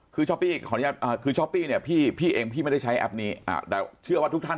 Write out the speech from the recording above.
คือช้อปปี้เนี่ยพี่เองพี่ไม่ได้ใช้แอปนี้แต่เชื่อว่าทุกท่าน